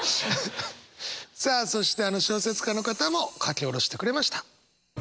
さああの小説家の方も書き下ろしてくれました。